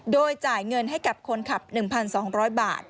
โดยจ่ายเงินให้กับคนขับ๑๒๐๐บาท